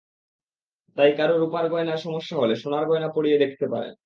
তাই কারও রুপার গয়নায় সমস্যা হলে, সোনার গয়না পরিয়ে দেখতে পারেন।